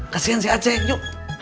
kasian si aceh yuk